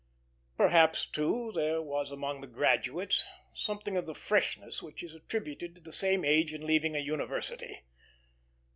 Perhaps, too, there was among the graduates something of the "freshness" which is attributed to the same age in leaving a university.